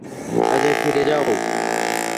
কাজে ফিরে যাও।